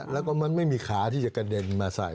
แล้วก็มันไม่มีขาที่จะกระเด็นมาใส่